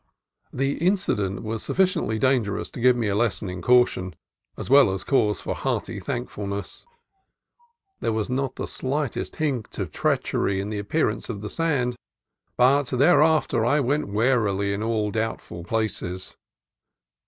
The incident was sufficiently dangerous to give me a lesson in caution, as well as cause for hearty thankfulness. There was not the slightest hint of treachery in the appearance of the sand, but there after I went warily in all doubtful places.